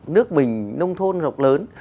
nước mình nông thôn rộng lớn